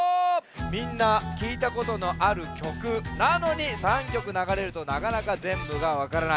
みんなきいたことのあるきょくなのに３きょくながれるとなかなかぜんぶがわからない。